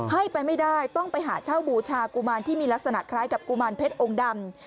ให้ไปไม่ได้ต้องไปหาเช่าบูชากุมารที่มีลักษณะคล้ายกับกุมารเพชรองค์ดำ